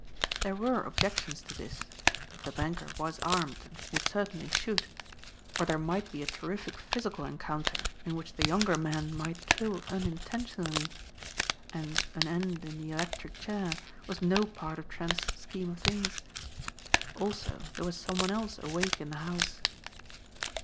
There were objections to this. The banker was armed and would certainly shoot. Or there might be a terrific physical encounter in which the younger man might kill unintentionally. And an end in the electric chair was no part of Trent's scheme of things. Also, there was some one else awake in the house.